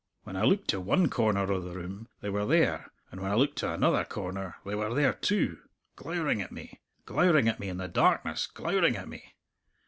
When I looked to one corner o' the room, they were there; and when I looked to another corner, they were there too glowering at me; glowering at me in the darkness; glowering at me.